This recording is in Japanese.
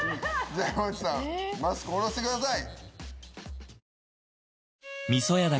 じゃ山内さんマスク下ろしてください。